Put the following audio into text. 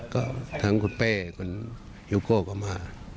ก็ทั้งคุณเปะคนฮิวโก้ก็มา